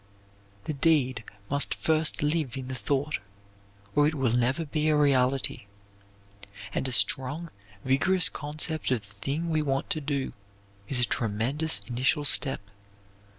_ The deed must first live in the thought or it will never be a reality; and a strong, vigorous concept of the thing we want to do is a tremendous initial step.